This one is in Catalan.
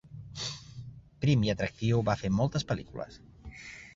Prim i atractiu, va fer moltes pel·lícules.